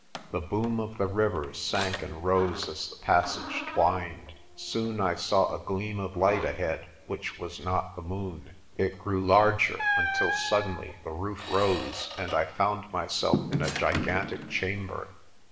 The boom of the river sank and rose as the passage twined. Soon I saw a gleam of light ahead which was not the moon. It grew larger, until suddenly the roof rose and I found myself in a gigantic chamber.